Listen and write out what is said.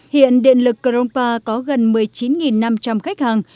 hiện điện lực krongpa có gần một mươi chín năm trăm linh khách hàng